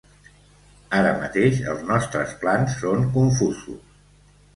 Ara mateix els nostres plans són confusos.